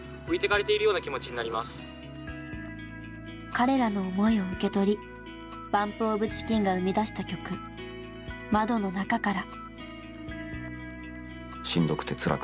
彼らの思いを受け取りＢＵＭＰＯＦＣＨＩＣＫＥＮが生み出した曲「窓の中から」。